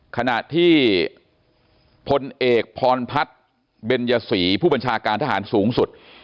ขณะที่พลเอกพรพัฒน์เบญยศรีผู้บัญชาการทหารสูงสุด